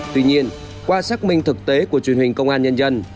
tuy nhiên qua xác minh thực tế của truyền hình công an nhân dân